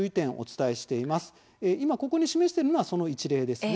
今、ここに示しているのはその一例ですね。